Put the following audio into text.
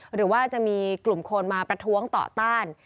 หรือว่าจะมีกลุ่มคนมาประท้วงต่อต้าน